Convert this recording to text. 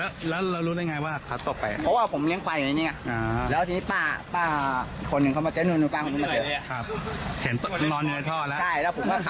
เพราะว่าตอนเชี่ยวผมพูดมาดูเอง